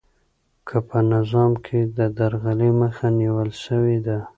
آیا په نظام کې د درغلۍ مخه نیول سوې ده؟